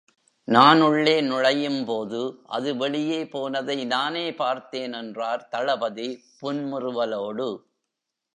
நான் உள்ளே நுழையும் போது அது வெளியே போனதை நானே பார்த்தேன் என்றார் தளபதி புன்முறுவலோடு.